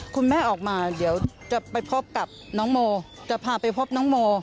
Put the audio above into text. คุณแม่ออกมาเดี๋ยวจะไปพบกับน้องโมจะพาไปพบน้องโม